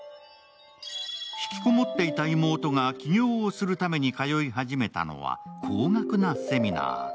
引きこもっていた妹が起業をするために通い始めたのは高額なセミナー。